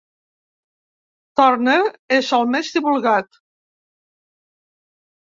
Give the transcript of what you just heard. Turner és el més divulgat.